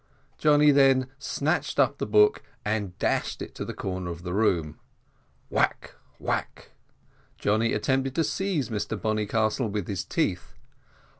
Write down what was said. Johnny then snatched up the book, and dashed it to the corner of the room. Whack, whack. Johnny attempted to seize Mr Bonnycastle with his teeth.